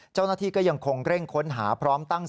เจ้านาทีก็ยังคงเร่งค้นหา